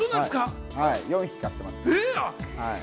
４匹飼ってます。